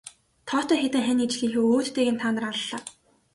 Тоотой хэдэн хань ижлийнхээ өөдтэйг та нар аллаа.